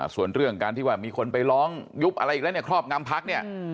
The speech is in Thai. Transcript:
ส่วนเรื่องการที่ว่ามีคนไปร้องยุบอะไรอีกแล้วเนี่ยครอบงำพักเนี่ย